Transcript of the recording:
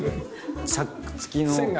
チャック付きの。